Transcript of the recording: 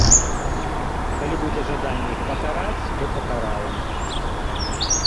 Калі будзе жаданне іх пакараць, то пакараем.